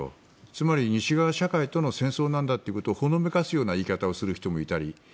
つまり西側社会との戦争なんだということをほのめかす言い方をする人もいたり。